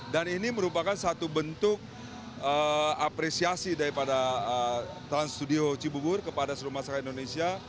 dan ini merupakan satu bentuk apresiasi daripada trans studio cibubur kepada seluruh masyarakat indonesia